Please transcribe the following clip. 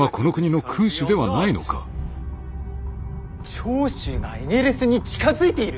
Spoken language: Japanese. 長州がエゲレスに近づいている？